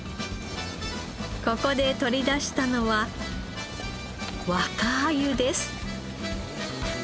ここで取り出したのは若アユです。